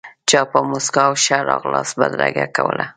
چا په موسکا او ښه راغلاست بدرګه کولو.